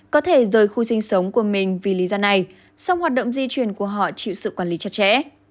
có thể rời khu sinh sống của mình vì lý do này song hoạt động di chuyển của họ chịu sự quản lý chặt chẽ